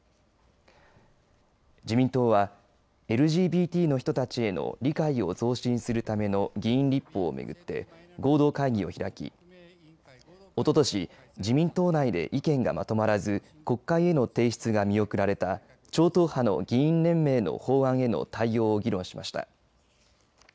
自民党はＬＧＢＴの人たちへの理解を増進するための議員立法を巡って合同会議を開きおととし自民党内で意見がまとまらず国会への提出が見送られた超党派の議員連盟の法案への対応を議論しました。